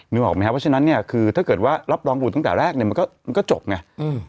นึกออกมั้ยครับว่าฉะนั้นเนี่ยคือถ้าเกิดว่ารับรองผลตั้งแต่แรกเนี่ยมันก็จบเนี่ย